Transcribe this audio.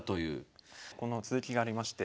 この続きがありまして。